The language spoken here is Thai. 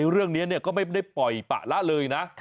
เรื่องนี้ก็ไม่ได้ปล่อยปะละเลยนะ